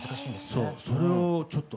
そうそれをちょっと。